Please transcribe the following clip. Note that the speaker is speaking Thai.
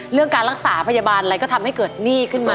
เรื่องการรักษาพยาบาลอะไรก็ทำให้เกิดหนี้ขึ้นมา